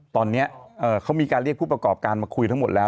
ตอนนี้เขามีการเรียกผู้ประกอบการมาคุยทั้งหมดแล้ว